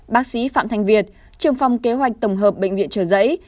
bác sĩ phạm thanh việt trường phòng kế hoạch tổng hợp bệnh viện trợ giấy